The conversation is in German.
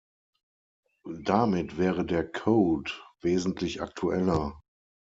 Damit wäre der Code wesentlich aktueller.